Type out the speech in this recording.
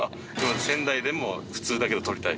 仙台でも普通だけど撮りたい？